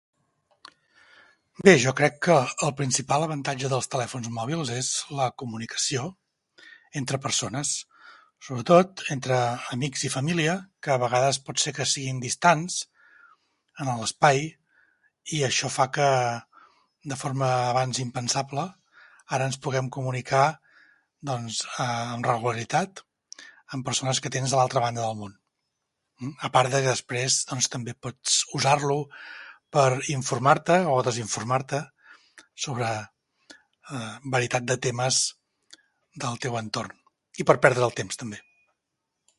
Bé, jo crec que el principal avantatge dels telèfons mòbils és la comunicació, entre persones, sobretot entre amics i família, que a vegades pot ser que siguin distants, en el espai, i això fa que, de forma abans impensable, ara ens puguem comunicar, doncs, amb regularitat, amb persones que tens a l'altra banda del món, a part de que després també pots usar-lo per informar-te, o desinformar-te, sobre varietat de temes del teu entorn. I per perder el temps també.